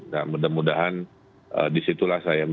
nah mudah mudahan disitulah saya memutuskan berlabuh